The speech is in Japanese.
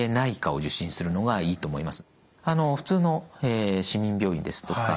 普通の市民病院ですとか